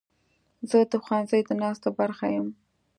زه د ښوونځي د ناستو برخه یم.